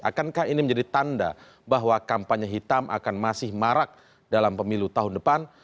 akankah ini menjadi tanda bahwa kampanye hitam akan masih marak dalam pemilu tahun depan